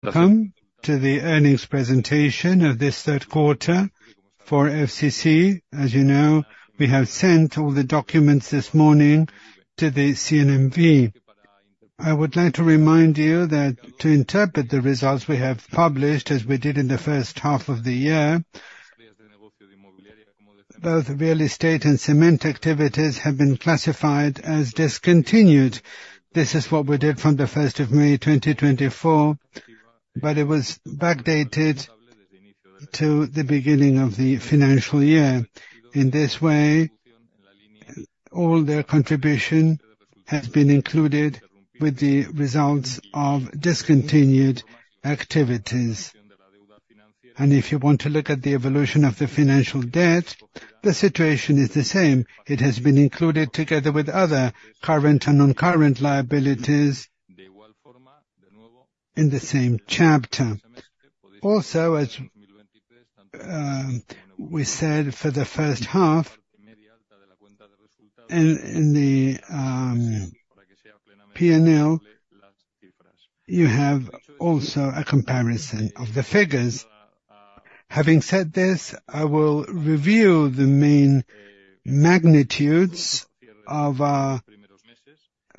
Welcome to the earnings presentation of this third quarter for FCC. As you know, we have sent all the documents this morning to the CNMV. I would like to remind you that to interpret the results we have published, as we did in the first half of the year, both real estate and cement activities have been classified as discontinued. This is what we did from the first of May 2024, but it was backdated to the beginning of the financial year. In this way, all their contribution has been included with the results of discontinued activities. And if you want to look at the evolution of the financial debt, the situation is the same. It has been included together with other current and non-current liabilities in the same chapter. Also, as we said for the first half, and in the P&L, you have also a comparison of the figures. Having said this, I will review the main magnitudes of our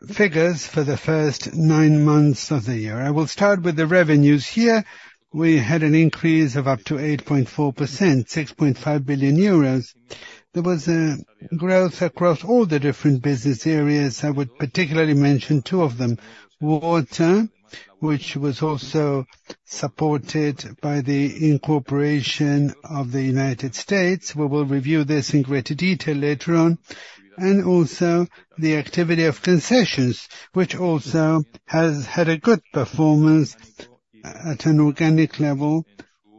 figures for the first nine months of the year. I will start with the revenues. Here, we had an increase of up to 8.4%, 6.5 billion euros. There was a growth across all the different business areas. I would particularly mention two of them: Water, which was also supported by the incorporation of the United States. We will review this in greater detail later on. And also the activity of concessions, which also has had a good performance at an organic level,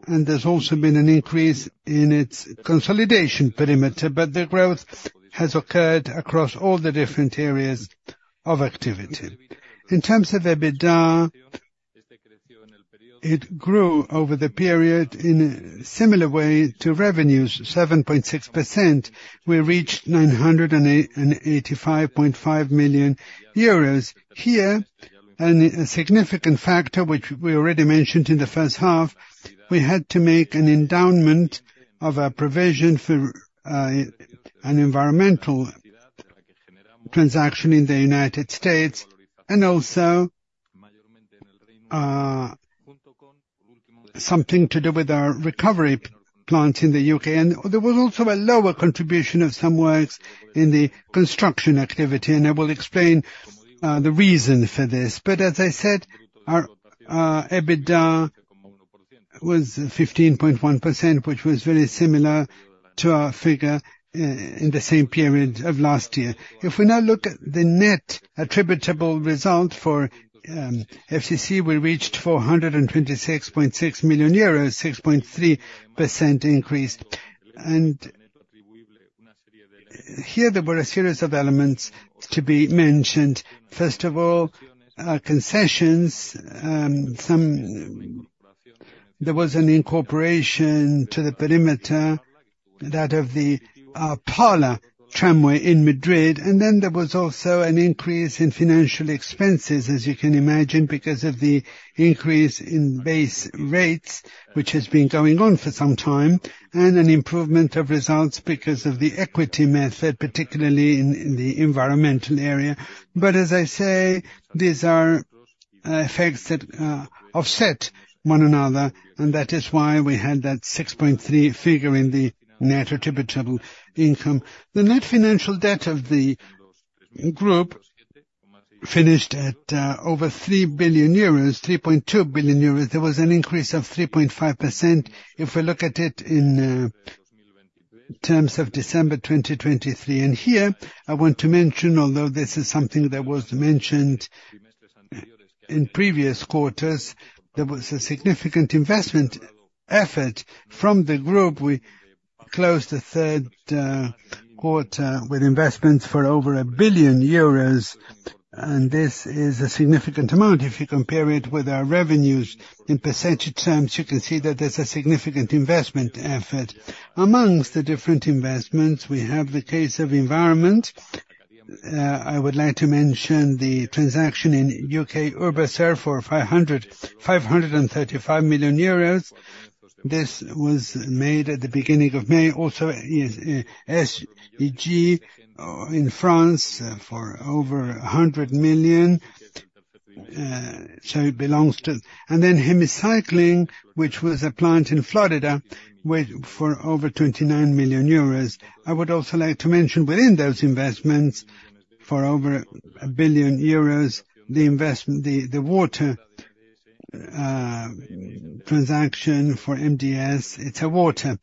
and there's also been an increase in its consolidation perimeter, but the growth has occurred across all the different areas of activity. In terms of EBITDA, it grew over the period in a similar way to revenues, 7.6%. We reached 985.5 million euros. Here, and a significant factor which we already mentioned in the first half, we had to make an endowment of a provision for an environmental transaction in the United States, and also something to do with our recovery plant in the U.K. And there was also a lower contribution of some works in the construction activity, and I will explain the reason for this. But as I said, our EBITDA was 15.1%, which was very similar to our figure in the same period of last year. If we now look at the net attributable result for FCC, we reached 426.6 million euros, 6.3% increase. And here, there were a series of elements to be mentioned. First of all, our concessions. There was an incorporation to the perimeter, that of the Parla Tramway in Madrid, and then there was also an increase in financial expenses, as you can imagine, because of the increase in base rates, which has been going on for some time, and an improvement of results because of the equity method, particularly in the environmental area. But as I say, these are effects that offset one another, and that is why we had that 6.3 figure in the net attributable income. The net financial debt of the group finished at over 3 billion euros, 3.2 billion euros. There was an increase of 3.5% if we look at it in terms of December 2023. Here, I want to mention, although this is something that was mentioned in previous quarters, there was a significant investment effort from the group. We closed the third quarter with investments for over 1 billion euros, and this is a significant amount. If you compare it with our revenues in percentage terms, you can see that there's a significant investment effort. Among the different investments, we have the case of environment. I would like to mention the transaction in U.K., Urbaser, for 535 million euros. This was made at the beginning of May. Also, ESG in France for over 100 million, so it belongs to... And then GEL Recycling, which was a plant in Florida, with for over 29 million euros. I would also like to mention, within those investments for over 1 billion euros, the investment, the water transaction for MDS. It's a water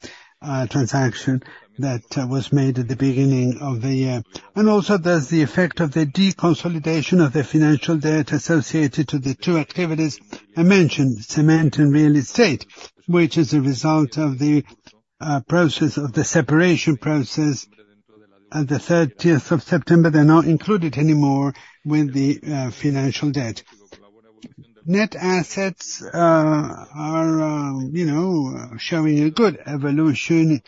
transaction that was made at the beginning of the year. And also, there's the effect of the deconsolidation of the financial debt associated to the two activities I mentioned, cement and real estate, which is a result of the process of the separation process. At the thirteenth of September, they're not included anymore with the financial debt. Net assets are, you know, showing a good evolution.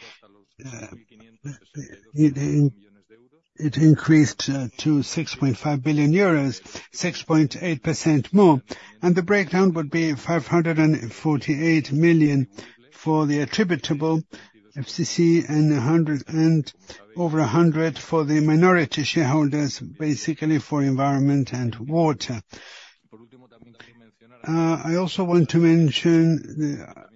It increased to 6.5 billion EUR, 6.8% more. And the breakdown would be 548 million for the attributable FCC, and over 100 million for the minority shareholders, basically for environment and water. I also want to mention the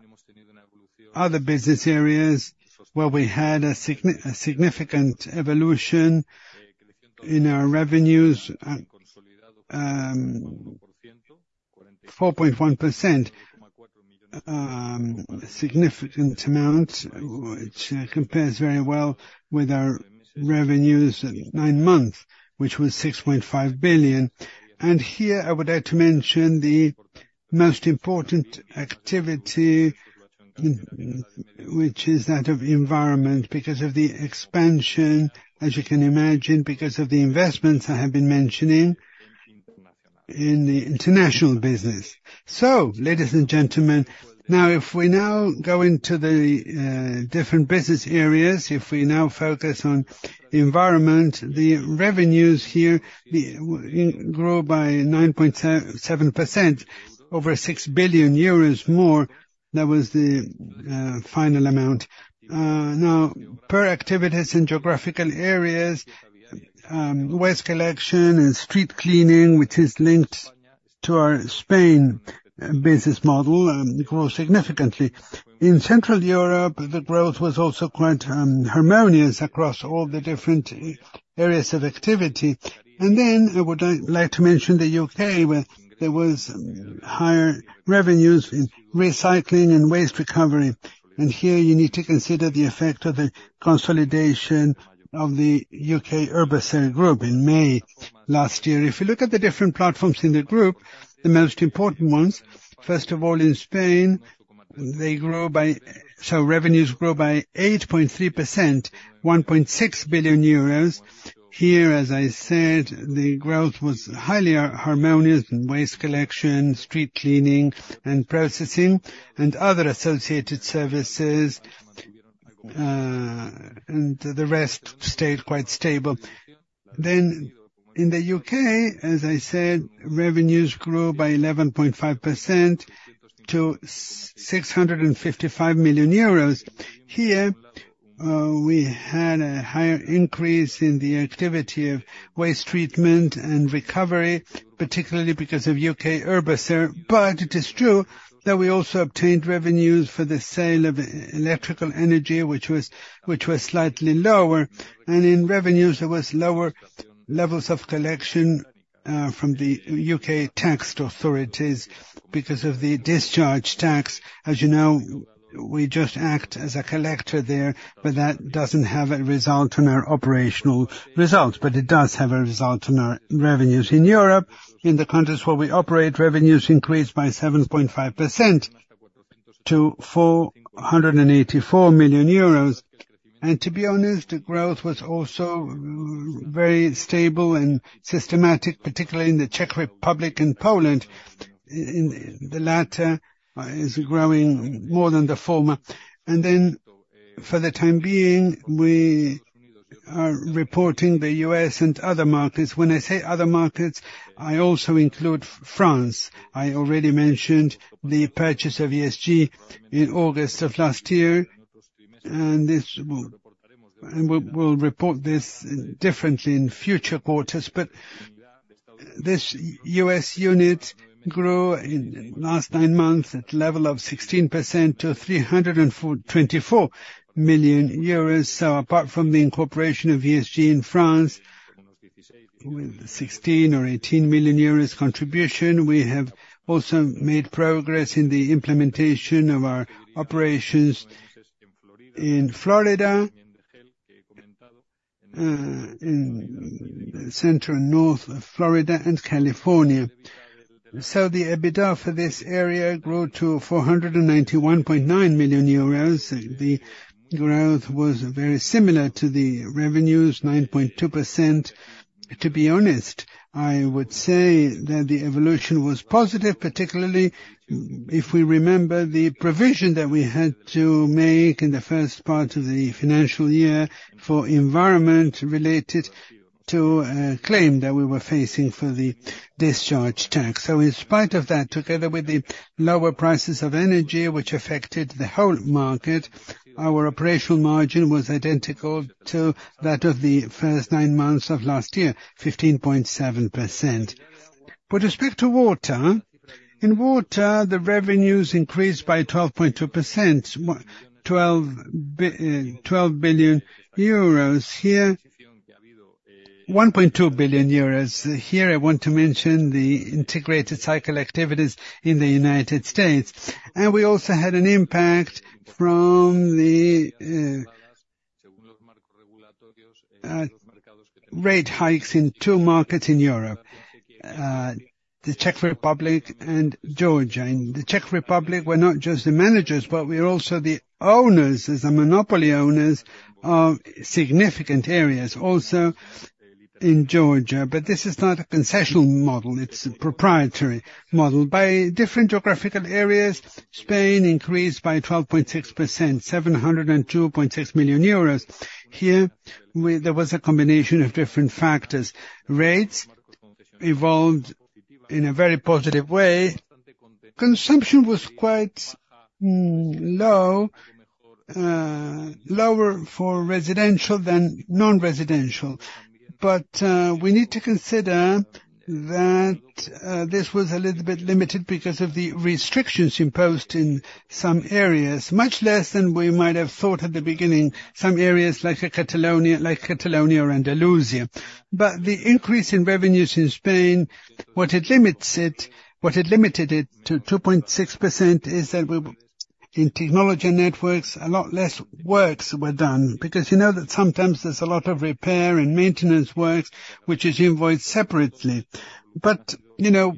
other business areas where we had a significant evolution in our revenues at 4.1%. A significant amount, which compares very well with our revenues at nine months, which was 6.5 billion. And here, I would like to mention the most important activity, which is that of environment, because of the expansion, as you can imagine, because of the investments I have been mentioning in the international business. Ladies and gentlemen, now, if we now go into the different business areas, if we now focus on environment, the revenues here grew by 9.7%, over 6 billion euros more. That was the final amount. Now, per activities and geographical areas, waste collection and street cleaning, which is linked to our Spain business model, grew significantly. In Central Europe, the growth was also quite harmonious across all the different areas of activity. And then I would like to mention the U.K., where there was higher revenues in recycling and waste recovery. And here you need to consider the effect of the consolidation of the U.K. Urbaser group in May last year. If you look at the different platforms in the group, the most important ones, first of all, in Spain, they grow by 8.3%, EUR 1.6 billion. So revenues grow by 8.3%, 1.6 billion euros. Here, as I said, the growth was highly harmonious in waste collection, street cleaning and processing, and other associated services, and the rest stayed quite stable. Then in the U.K., as I said, revenues grew by 11.5% to EUR 655 million. Here, we had a higher increase in the activity of waste treatment and recovery, particularly because of U.K. Urbaser. But it is true that we also obtained revenues for the sale of electrical energy, which was slightly lower, and in revenues, there was lower levels of collection from the U.K. tax authorities because of the discharge tax. As you know, we just act as a collector there, but that doesn't have a result on our operational results, but it does have a result on our revenues. In Europe, in the countries where we operate, revenues increased by 7.5% to 484 million euros, and to be honest, the growth was also very stable and systematic, particularly in the Czech Republic and Poland. In the latter is growing more than the former, and then, for the time being, we are reporting the U.S. and other markets. When I say other markets, I also include France. I already mentioned the purchase of ESG in August of last year, and this will, and we'll report this differently in future quarters, but this U.S. unit grew in last nine months at level of 16% to three hundred and twenty-four million EUR. So apart from the incorporation of ESG in France, with 16 or 18 million euros contribution, we have also made progress in the implementation of our operations in Florida, in central north of Florida and California. So the EBITDA for this area grew to 491.9 million euros. The growth was very similar to the revenues, 9.2%. To be honest, I would say that the evolution was positive, particularly if we remember the provision that we had to make in the first part of the financial year for environment related to a claim that we were facing for the discharge tax. So in spite of that, together with the lower prices of energy which affected the whole market, our operational margin was identical to that of the first nine months of last year, 15.7%. With respect to water, in water, the revenues increased by 12.2%. Twelve billion euros. Here, 1.2 billion euros. Here, I want to mention the integrated cycle activities in the United States, and we also had an impact from the rate hikes in two markets in Europe, the Czech Republic and Georgia. In the Czech Republic, we're not just the managers, but we are also the owners, as the monopoly owners of significant areas. In Georgia, but this is not a concessional model, it's a proprietary model. By different geographical areas, Spain increased by 12.6%, 702.6 million euros. Here, there was a combination of different factors. Rates evolved in a very positive way. Consumption was quite low, lower for residential than non-residential. But we need to consider that this was a little bit limited because of the restrictions imposed in some areas, much less than we might have thought at the beginning, some areas like a Catalonia, like Catalonia or Andalusia. But the increase in revenues in Spain, what it limits it, what it limited it to 2.6% is that we in technology and networks, a lot less works were done, because you know that sometimes there's a lot of repair and maintenance works, which is invoiced separately. But you know,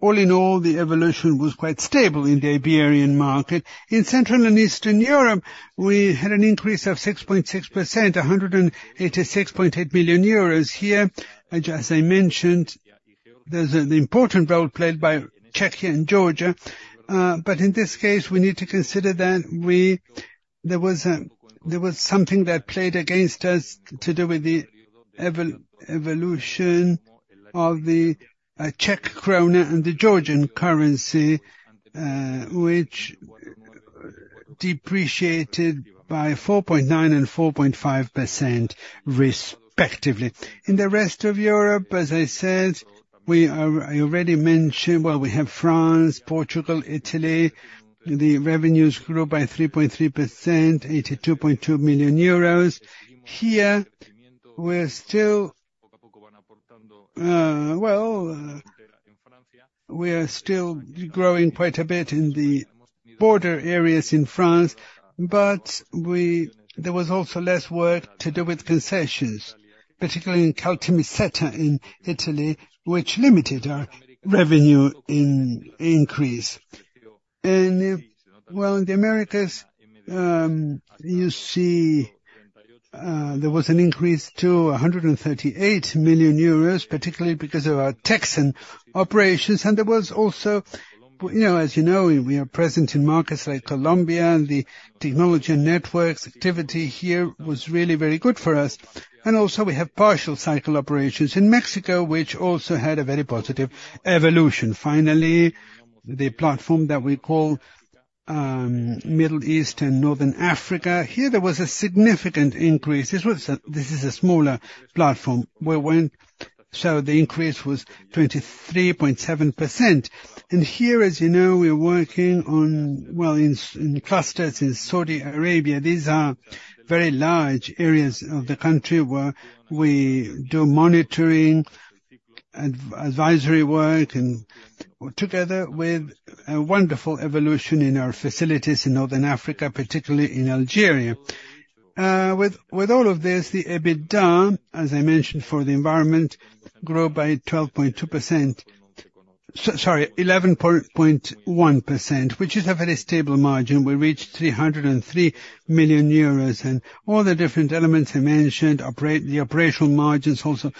all in all, the evolution was quite stable in the Iberian market. In Central and Eastern Europe, we had an increase of 6.6%, 186.8 million euros. Here, just as I mentioned, there's an important role played by Czechia and Georgia. But in this case, we need to consider that there was something that played against us to do with the evolution of the Czech crown and the Georgian currency, which depreciated by 4.9% and 4.5%, respectively. In the rest of Europe, as I said, I already mentioned. We have France, Portugal, Italy. The revenues grew by 3.3%, EUR 82.2 million. Here, we're still growing quite a bit in the border areas in France, but there was also less work to do with concessions, particularly in Caltanissetta in Italy, which limited our revenue increase. In the Americas, you see, there was an increase to 138 million euros, particularly because of our Texan operations. There was also, you know, as you know, we are present in markets like Colombia, and the technology and networks activity here was really very good for us. We also have partial cycle operations in Mexico, which also had a very positive evolution. Finally, the platform that we call Middle East and North Africa. Here, there was a significant increase. This is a smaller platform. So the increase was 23.7%. And here, as you know, we're working on, well, in clusters in Saudi Arabia. These are very large areas of the country where we do monitoring, advisory work, and together with a wonderful evolution in our facilities in North Africa, particularly in Algeria. With all of this, the EBITDA, as I mentioned, for the environment, grew by 12.2%. Sorry, 11.1%, which is a very stable margin. We reached 303 million euros. And all the different elements I mentioned, the operational margins also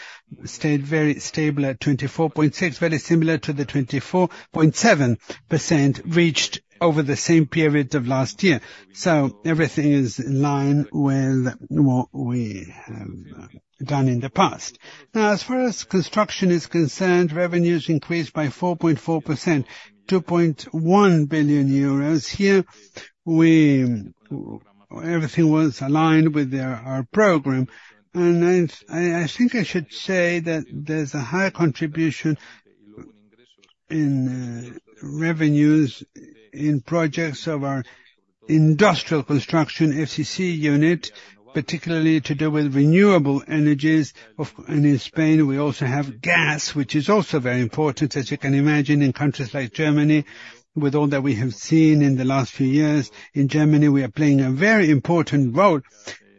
stayed very stable at 24.6, very similar to the 24.7% reached over the same period of last year. So everything is in line with what we have done in the past. Now, as far as construction is concerned, revenues increased by 4.4%, 2.1 billion euros. Here, we... Everything was aligned with their, our program. And I think I should say that there's a high contribution in revenues in projects of our industrial construction, FCC unit, particularly to do with renewable energies of. And in Spain, we also have gas, which is also very important. As you can imagine, in countries like Germany, with all that we have seen in the last few years, in Germany, we are playing a very important role.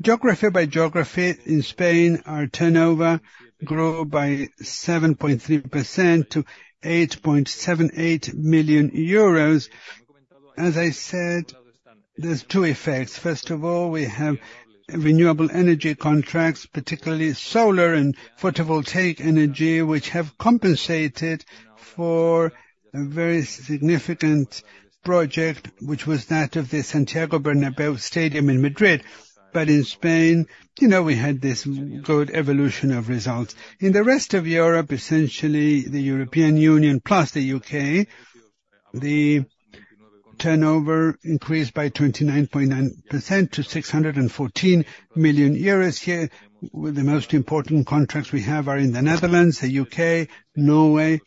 Geography by geography, in Spain, our turnover grew by 7.3% to 8.78 million euros. As I said, there's two effects: First of all, we have renewable energy contracts, particularly solar and photovoltaic energy, which have compensated for a very significant project, which was that of the Santiago Bernabéu Stadium in Madrid, but in Spain, you know, we had this good evolution of results. In the rest of Europe, essentially the European Union plus the U.K., the turnover increased by 29.9% to 614 million euros. Here, well, the most important contracts we have are in the Netherlands, the U.K., Norway,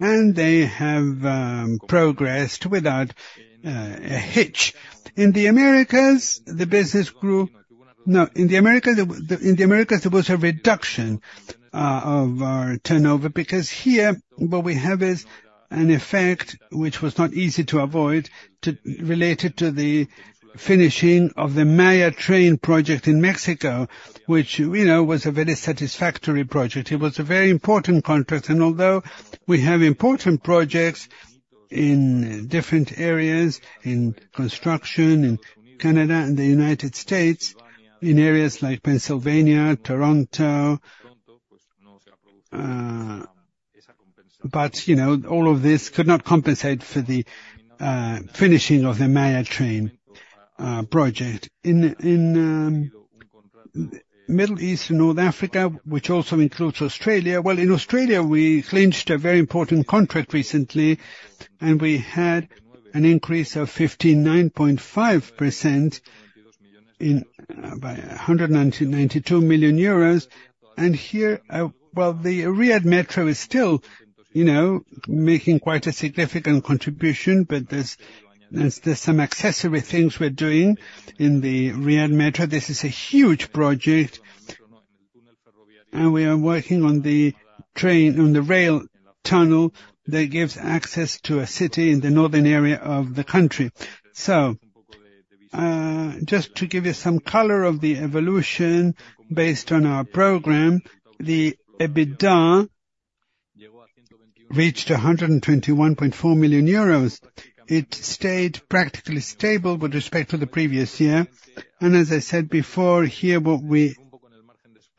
and they have progressed without a hitch. In the Americas, the business grew. No, in the Americas, there was a reduction of our turnover, because here, what we have is an effect which was not easy to avoid, related to the finishing of the Maya Train project in Mexico, which, you know, was a very satisfactory project. It was a very important contract, and although we have important projects in different areas, in construction, in Canada and the United States, in areas like Pennsylvania, Toronto, but, you know, all of this could not compensate for the finishing of the Maya Train project. In Middle East and North Africa, which also includes Australia. Well, in Australia, we clinched a very important contract recently, and we had an increase of 59.5% in by EUR 192 million. Here, the Riyadh Metro is still, you know, making quite a significant contribution, but there's some accessory things we're doing in the Riyadh Metro. This is a huge project, and we are working on the train, on the rail tunnel that gives access to a city in the northern area of the country. Just to give you some color of the evolution based on our program, the EBITDA reached 121.4 million euros. It stayed practically stable with respect to the previous year, and as I said before, here, what we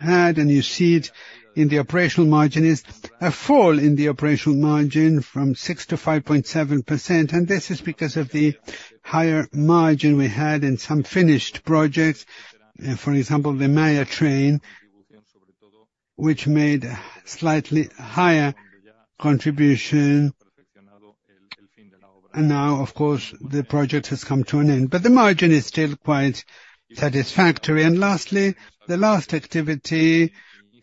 had, and you see it in the operational margin, is a fall in the operational margin from 6%-5.7%, and this is because of the higher margin we had in some finished projects, for example, the Maya Train, which made slightly higher contribution. Now, of course, the project has come to an end, but the margin is still quite satisfactory. Lastly, the last activity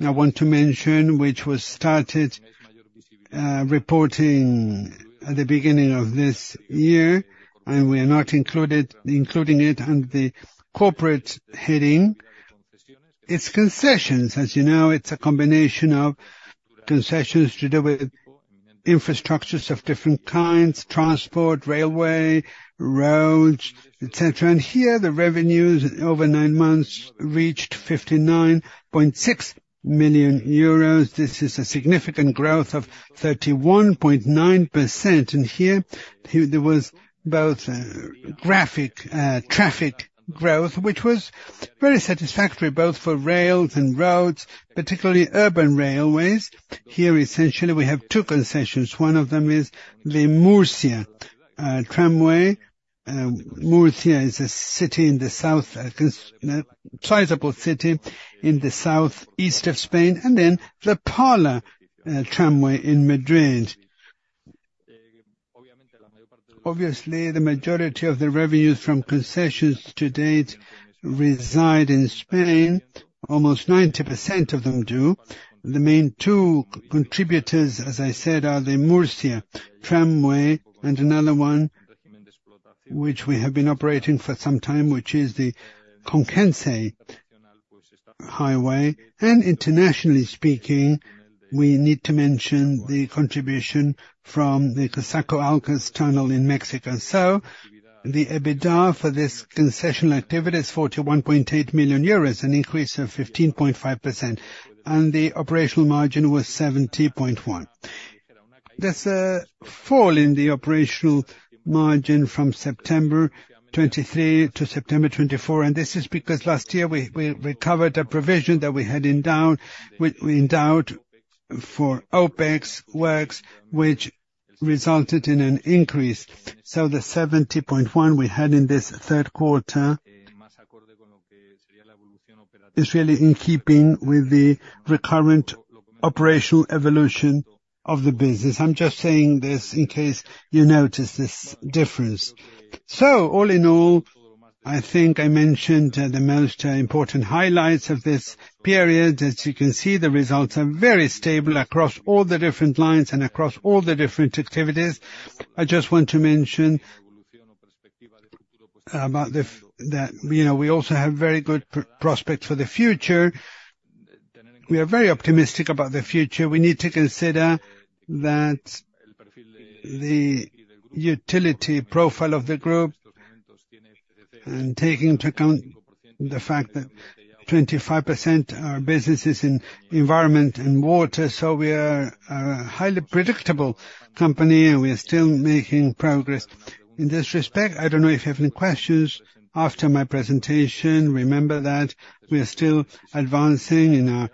I want to mention, which was started reporting at the beginning of this year, and we are now including it under the corporate heading, it's concessions. As you know, it's a combination of concessions to do with infrastructures of different kinds, transport, railway, roads, et cetera. And here, the revenues over nine months reached 59.6 million euros. This is a significant growth of 31.9%. And here there was both organic traffic growth, which was very satisfactory, both for rails and roads, particularly urban railways. Here, essentially, we have two concessions. One of them is the Murcia Tramway. Murcia is a city in the south, a sizable city in the southeast of Spain, and then the Parla Tramway in Madrid. Obviously, the majority of the revenues from concessions to date reside in Spain. Almost 90% of them do. The main two contributors, as I said, are the Murcia Tramway and another one, which we have been operating for some time, which is the Conquense Highway. And internationally speaking, we need to mention the contribution from the Coatzacoalcos Tunnel in Mexico. So the EBITDA for this concession activity is 41.8 million euros, an increase of 15.5%, and the operational margin was 70.1%. There's a fall in the operational margin from September 2023-September 2024, and this is because last year we recovered a provision that we had endowed for OPEX works, which resulted in an increase. So the 70.1 we had in this third quarter is really in keeping with the recurrent operational evolution of the business. I'm just saying this in case you notice this difference. So all in all, I think I mentioned the most important highlights of this period. As you can see, the results are very stable across all the different lines and across all the different activities. I just want to mention about the fact that, you know, we also have very good prospects for the future. We are very optimistic about the future. We need to consider that the utility profile of the group, and taking into account the fact that 25% are businesses in environment and water, so we are a highly predictable company, and we are still making progress. In this respect, I don't know if you have any questions after my presentation. Remember that we are still advancing in our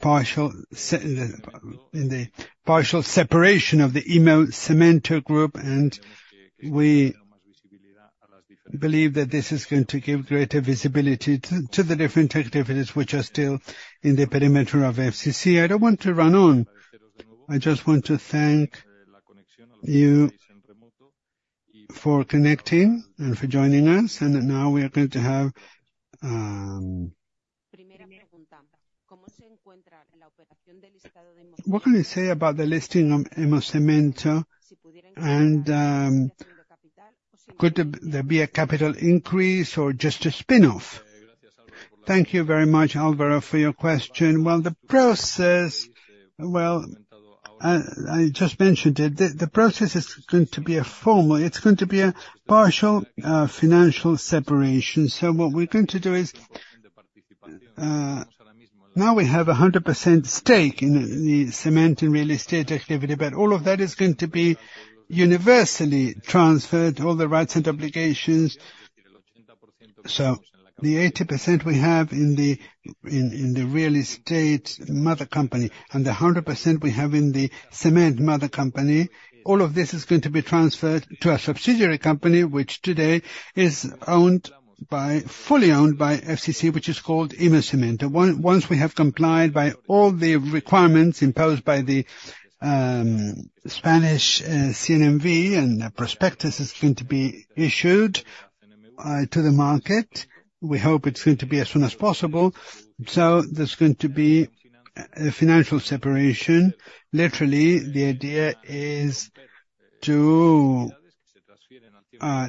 partial separation of the Inmocemento group, and we believe that this is going to give greater visibility to the different activities which are still in the perimeter of FCC. I don't want to run on. I just want to thank you for connecting and for joining us, and now we are going to have. What can I say about the listing of Inmocemento and could there be a capital increase or just a spin-off? Thank you very much, Alvaro, for your question. The process. I just mentioned it. The process is going to be a formal. It's going to be a partial financial separation. So what we're going to do is. Now we have a 100% stake in the cement and real estate activity, but all of that is going to be universally transferred, all the rights and obligations. So the 80% we have in the real estate mother company, and the 100% we have in the cement mother company, all of this is going to be transferred to a subsidiary company, which today is fully owned by FCC, which is called Innocemento. Once we have complied with all the requirements imposed by the Spanish CNMV, and the prospectus is going to be issued to the market, we hope it's going to be as soon as possible, so there's going to be a financial separation. Literally, the idea is to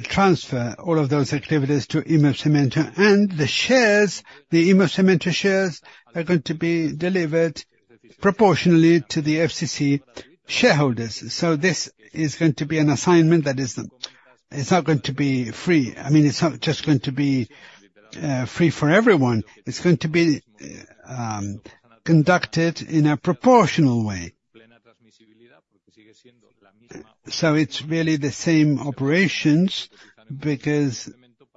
transfer all of those activities to Inmocemento, and the shares, the Inmocemento shares, are going to be delivered proportionally to the FCC shareholders, so this is going to be an assignment that is, it's not going to be free. I mean, it's not just going to be free for everyone. It's going to be conducted in a proportional way, so it's really the same operations, because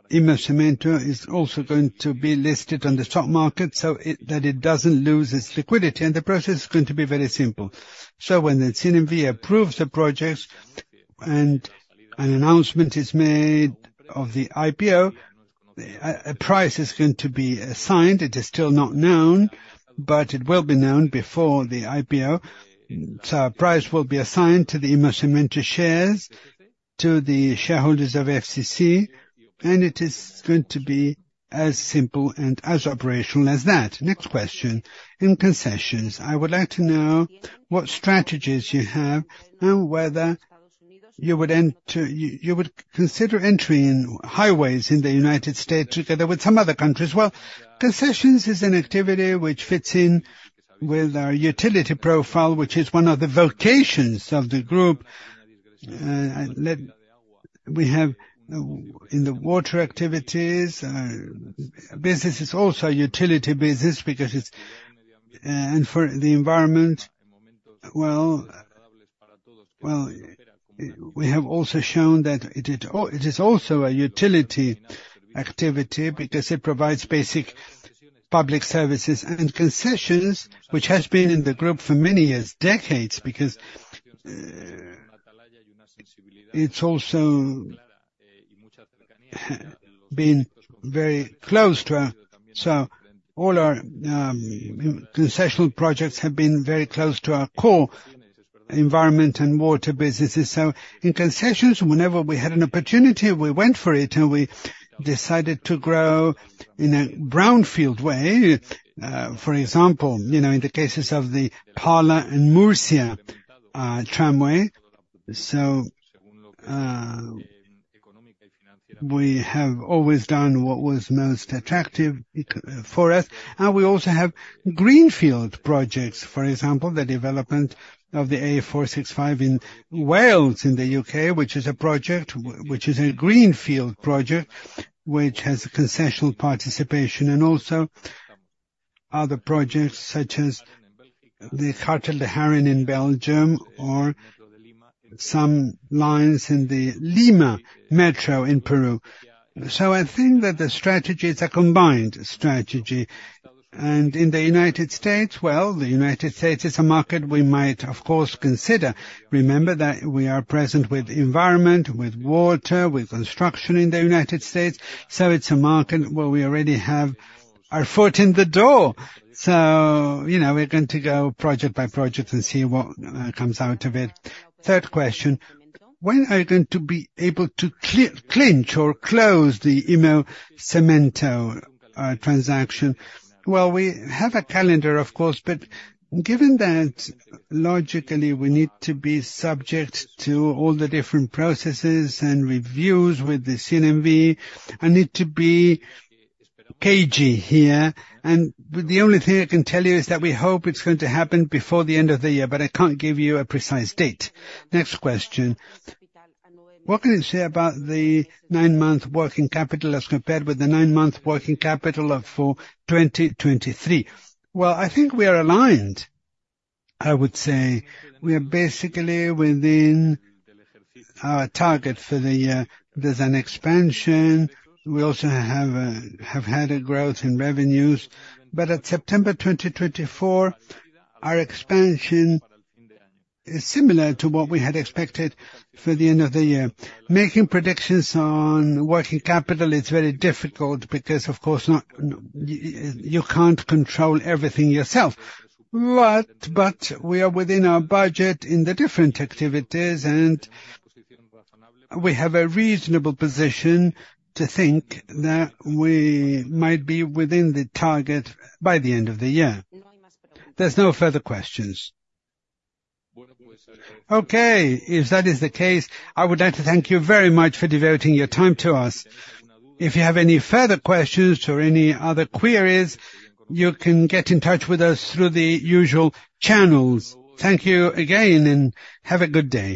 Inmocemento is also going to be listed on the stock market, so it, that it doesn't lose its liquidity, and the process is going to be very simple. So when the CNMV approves the project and an announcement is made of the IPO, a price is going to be assigned. It is still not known, but it will be known before the IPO. So a price will be assigned to the Inmocemento shares, to the shareholders of FCC, and it is going to be as simple and as operational as that. Next question: In concessions, I would like to know what strategies you have and whether you would consider entering in highways in the United States, together with some other countries? Well, concessions is an activity which fits in with our utility profile, which is one of the vocations of the group. We have in the water activities business is also a utility business because it's, and for the environment. Well, we have also shown that it is also a utility activity because it provides basic public services, and concessions, which has been in the group for many years, decades, because it's also been very close to us, so all our concessional projects have been very close to our core environment and water businesses, so in concessions, whenever we had an opportunity, we went for it, and we decided to grow in a brownfield way. For example, you know, in the cases of the Parla and Murcia tramway, so we have always done what was most attractive for us. And we also have greenfield projects, for example, the development of the A465 in Wales, in the U.K., which is a project, which is a greenfield project, which has concessional participation, and also other projects such as the Haren Prison in Belgium or some lines in the Lima Metro in Peru. So I think that the strategy is a combined strategy. And in the United States, well, the United States is a market we might, of course, consider. Remember that we are present with environment, with water, with construction in the United States, so it's a market where we already have our foot in the door. So, you know, we're going to go project by project and see what comes out of it. Third question: When are you going to be able to clinch or close the Inmocemento transaction? We have a calendar, of course, but given that logically we need to be subject to all the different processes and reviews with the CNMV. I need to be cagey here. And the only thing I can tell you is that we hope it's going to happen before the end of the year, but I can't give you a precise date. Next question: What can you say about the nine-month working capital as compared with the nine-month working capital of 2023? I think we are aligned, I would say. We are basically within our target for the year. There's an expansion. We also have had a growth in revenues, but at September 2024, our expansion is similar to what we had expected for the end of the year. Making predictions on working capital, it's very difficult because, of course, you can't control everything yourself. But we are within our budget in the different activities, and we have a reasonable position to think that we might be within the target by the end of the year. There's no further questions. Okay, if that is the case, I would like to thank you very much for devoting your time to us. If you have any further questions or any other queries, you can get in touch with us through the usual channels. Thank you again, and have a good day.